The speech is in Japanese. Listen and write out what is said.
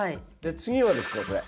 次はですねこれ。